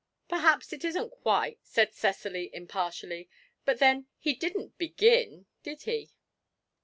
'Perhaps it isn't quite,' said Cecily, impartially; 'but then he didn't begin, did he?'